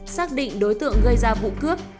xác định đối tượng gây ra vụ cướp